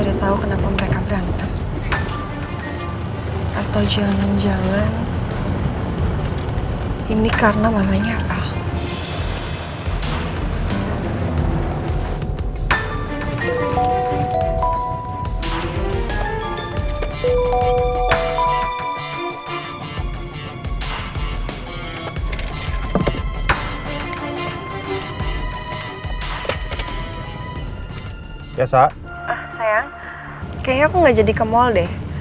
sayang kayaknya aku gak jadi ke mal deh